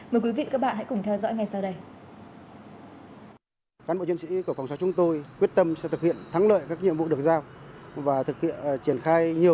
mời quý vị các bạn hãy cùng theo dõi ngày sau